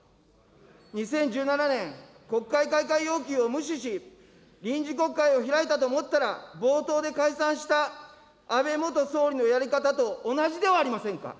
２０１７年、国会開会要求を無視し、臨時国会を開いたと思ったら冒頭で解散した安倍元総理のやり方と同じではありませんか。